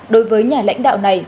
đối với nhà lãnh đạo này